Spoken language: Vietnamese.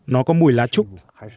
nó có mùi lá trúc